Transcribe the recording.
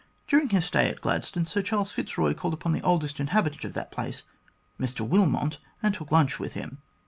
During his stay at Gladstone, Sir Charles Fitzroy called upon the oldest inhabitant of the place, Mr Willmott, and took lunch with him.